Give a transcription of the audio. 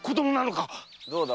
〔どうだ